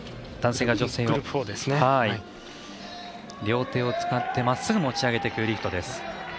男性が女性を両手を使ってまっすぐ持ち上げていくリフト。